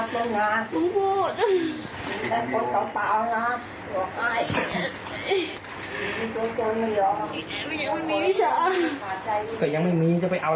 มันอย่างไม่มีชา